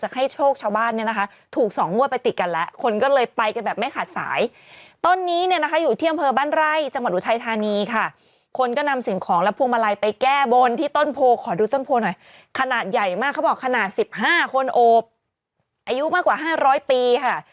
อาจจะอยู่ที่อำเภอบ้านไร่จังหวัดอุทัยธานีค่ะคนก็นำสินของและพวงมาลัยไปแก้บนที่ต้นโพคขอดูต้นโพหน่อยขนาดใหญ่มากเขาบอกขนาด๑๕คนโอบอายุมากกว่า๕๐๐ปีค่ะ